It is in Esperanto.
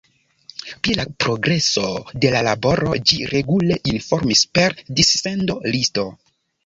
Pri la progreso de la laboro ĝi regule informis per dissendo-listo.